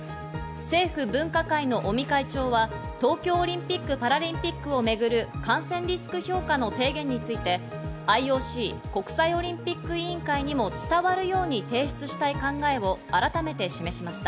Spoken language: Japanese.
政府分科会の尾身会長は東京オリンピック・パラリンピックをめぐる感染リスク評価の提言について、ＩＯＣ＝国際オリンピック委員会にも伝わるように提出したい考えを改めて示しました。